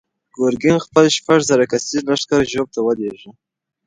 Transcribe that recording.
ګورګین خپل شپږ زره کسیز لښکر ژوب ته ولېږه.